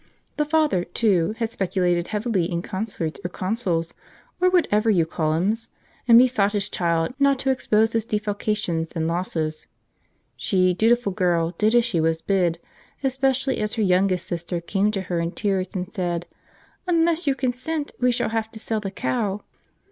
The father, too, had speculated heavily in consorts or consuls, or whatever you call 'ems, and besought his child not to expose his defalcations and losses. She, dutiful girl, did as she was bid, especially as her youngest sister came to her in tears and said, 'Unless you consent we shall have to sell the cow!'